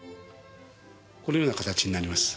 このような形になります。